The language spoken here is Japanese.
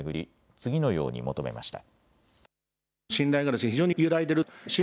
次のように求めました。